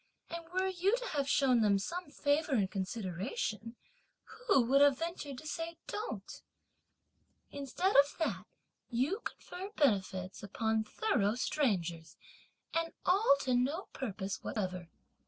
and were you to have shown them some favour and consideration, who would have ventured to have said 'don't?' Instead of that, you confer benefits upon thorough strangers, and all to no purpose whatever!